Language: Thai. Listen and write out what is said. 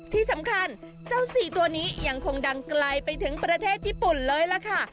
ที่สำคัญเจ้าสี่ตัวนี้ยังคงดังไกลไปถึงประเทศญี่ปุ่นเลยล่ะค่ะ